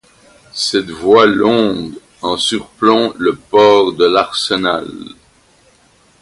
Cette voie longe en surplomb le port de l'Arsenal.